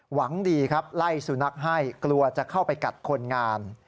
หวังดีครับไล่สุนัขให้กลัวจะเข้าไปกัดคนงาน